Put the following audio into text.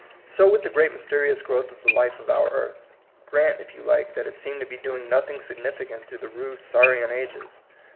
So with the great mysterious growth of the life of our earth. Grant, if you like, that it seemed to be doing nothing sig nificant through the rude saurian ages.